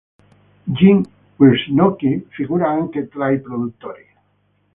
Jim Wynorski figura anche tra i produttori.